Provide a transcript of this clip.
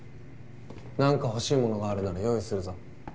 何か欲しい物があるなら用意するぞ。